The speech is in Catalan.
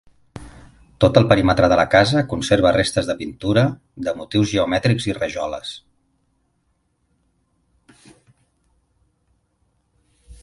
Tot el perímetre de la casa conserva restes de pintura de motius geomètrics i rajoles.